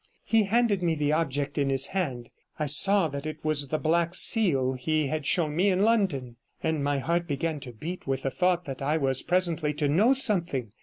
He handed me the object in his hand. I saw that it was the black seal he had shown me in London, and my heart began to beat with the thought that I was presently to know something.